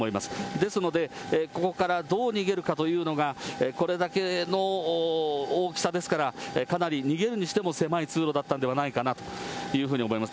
ですので、ここからどう逃げるかというのが、これだけの大きさですから、かなり逃げるにしても狭い通路だったんではないかなというふうに思います。